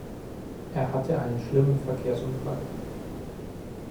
Er hatte einen schlimmen Verkehrsunfall.